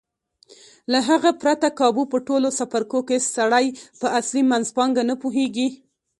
له هغه پرته کابو په ټولو څپرکو کې سړی په اصلي منځپانګه نه پوهېږي.